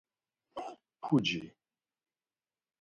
Puci!